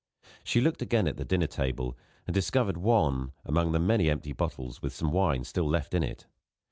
She looked again at the dinner table, and discovered one, among the many empty bottles, with some wine still left in it.